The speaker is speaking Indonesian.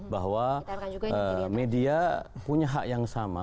bahwa media punya hak yang sama